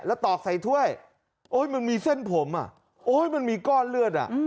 แล้วตอกใส่ถ้วยมันมีเส้นผมอ่ะโอ้ยมันมีก้อนเลือดอ่ะ